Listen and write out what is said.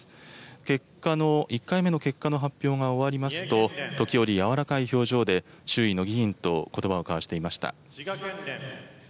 結果の、１回目の結果の発表が終わりますと、時折、柔らかい表情で周囲の議員とことばを交わしていました。